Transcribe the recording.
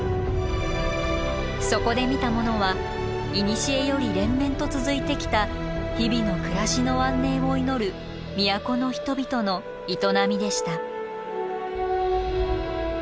そこで見たものは古より連綿と続いてきた日々の暮らしの安寧を祈る都の人々の営みでした。